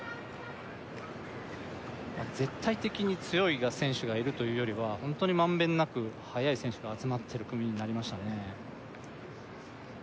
絶対的に強い選手がいるというよりはホントにまんべんなく速い選手が集まっている組になりましたね